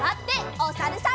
おさるさん。